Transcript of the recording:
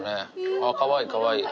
あー、かわいい、かわいい。